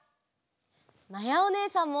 まやおねえさんも！